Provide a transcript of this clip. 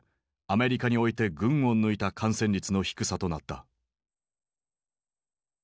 アメリカにおいて群を抜いた感染率の低さとなった。